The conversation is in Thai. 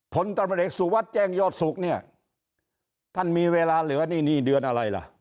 ผลตำรวจเอกสุวัสดิ์แจ้งยอดสุขเนี่ยท่านมีเวลาเหลือนี่นี่เดือนอะไรล่ะ